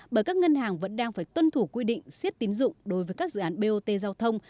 bởi các ngân hàng vẫn đang phải tuân thủ quy định siết tín dụng đối với các dự án bot giao thông